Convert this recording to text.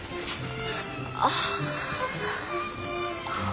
ああ。